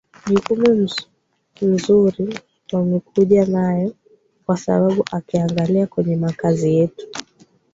jukumu mzuri wamekuja nayo kwa sababu ukiangalia kwenye makazi yetu